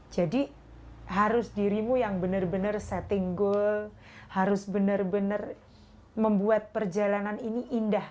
jadi harus dirimu yang benar benar setting goal harus benar benar membuat perjalanan ini indah